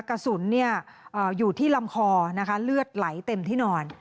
กระสุนอยู่ที่ลำคอนะคะเลือดไหลเต็มที่นอน